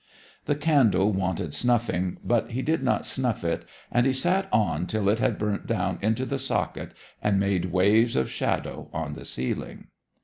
The candle wanted snuffing, but he did not snuff it, and he sat on till it had burnt down into the socket and made waves of shadow on the ceiling.